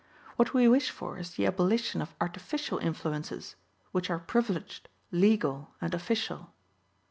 What we wish for is the abolition of artificial influences, which are privileged, legal and official."